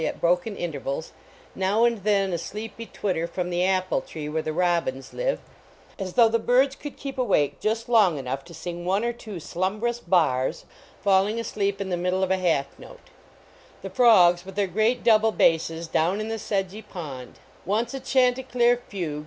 it broken inter vals; n,.\v and then a sli epy twitter from the apple tret wlu re the robins live, a> though 157 THE KATYDID IX OPERA the birds could keep awake just long enough to sing one or two slumbrous bars, falling asleep in the middle of a half note; the frogs, with their great double basses, down in the sedgy pond ; once a chanticleer fugue, th.